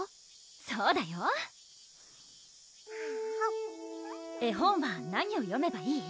そうだよ絵本は何を読めばいい？